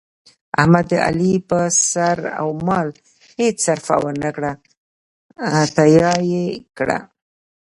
احمد د علي په سر او مال هېڅ سرفه ونه کړه، تیاه یې کړ.